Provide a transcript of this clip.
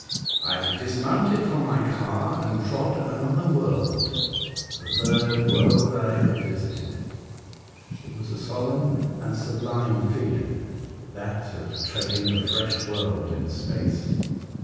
I dismounted from my car and trod another world, the third world I had visited. It was a solemn and sublime feeling, — that of treading a fresh world in space.